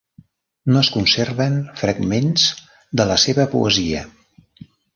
No es conserven fragments de la seva poesia.